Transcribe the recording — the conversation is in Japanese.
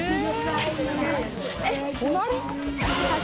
隣？